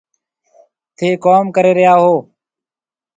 ٿَي ڪوم ڪري ريا هو۔